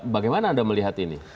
bagaimana anda melihat ini